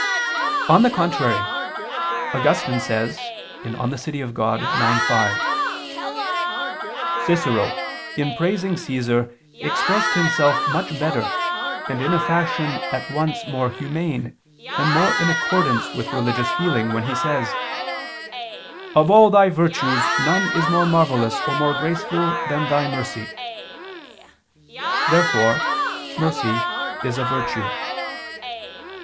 On the contrary, Augustine says (De Civ. Dei ix, 5): "Cicero in praising Caesar expresses himself much better and in a fashion at once more humane and more in accordance with religious feeling, when he says: 'Of all thy virtues none is more marvelous or more graceful than thy mercy.'" Therefore mercy is a virtue.